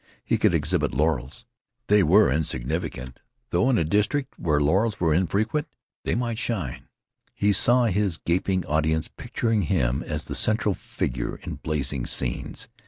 He could exhibit laurels. They were insignificant; still, in a district where laurels were infrequent, they might shine. He saw his gaping audience picturing him as the central figure in blazing scenes.